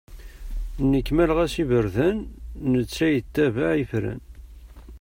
Nekk mmaleɣ-as iberdan, netta yettabaε ifran.